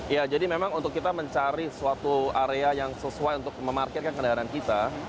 ya jadi memang untuk kita mencari suatu area yang sesuai untuk memarkirkan kendaraan kita